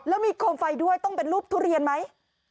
แล้วมีโคมไฟด้วยต้องเป็นรูปทุเรียนไหม